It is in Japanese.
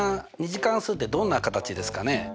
２次関数ってどんな形ですかね？